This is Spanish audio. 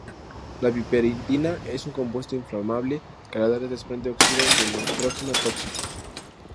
La piperidina es un compuesto inflamable que al arder desprende óxidos de nitrógeno tóxicos.